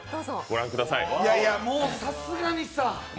もうさすがにさ。